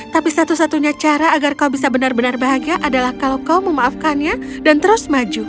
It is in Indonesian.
tapi satu satunya cara agar kau bisa benar benar bahagia adalah kalau kau memaafkannya dan terus maju